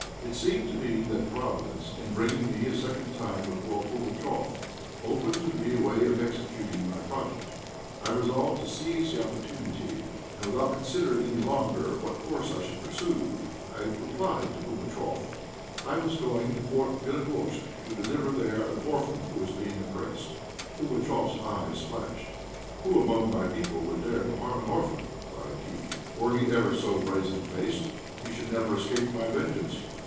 It seemed to me that Providence, in bringing me a second time before Pugatchéf, opened to me a way of executing my project. I resolved to seize the opportunity, and, without considering any longer what course I should pursue, I replied to Pugatchéf "I was going to Fort Bélogorsk, to deliver there an orphan who is being oppressed." Pugatchéf's eyes flashed. "Who among my people would dare to harm an orphan?" cried he. "Were he ever so brazen faced, he should never escape my vengeance!